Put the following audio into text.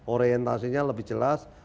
orientasinya lebih jelas